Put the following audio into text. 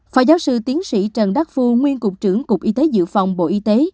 phó giáo sư tiến sĩ trần đắc phu nguyên cục trưởng cục y tế dự phòng bộ y tế